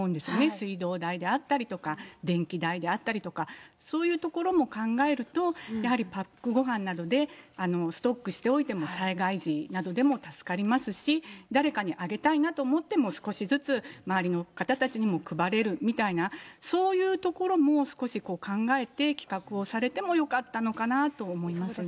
水道代であったりとか、電気代であったりとか、そういうところも考えると、やはりパックごはんなどでストックしておいても災害時などでも助かりますし、誰かにあげたいなと思っても、少しずつ、周りの方たちにも配れるみたいな、そういうところも、少し考えて企画をされてもよかったのかなと思いますね。